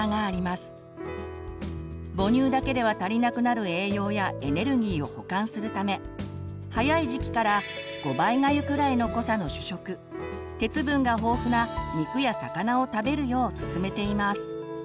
母乳だけでは足りなくなる栄養やエネルギーを補完するため早い時期から５倍がゆくらいの濃さの主食鉄分が豊富な肉や魚を食べるようすすめています。